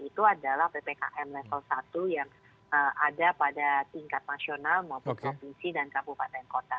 stator yang akan kita capai itu adalah ptkm level satu yang ada pada tingkat nasional maupun transmisi dan kabupaten kota